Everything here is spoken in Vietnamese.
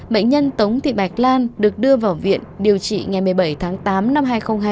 bệnh nhân tống thị bạch lan được đưa vào viện điều trị ngày một mươi bảy tháng tám năm hai nghìn hai mươi